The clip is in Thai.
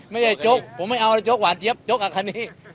ไม่ใช่โจ๊กผมไม่เอาโจ๊กหวานเย็บโจ๊กอาคณี